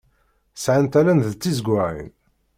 Sɛant allen d tizegzawin.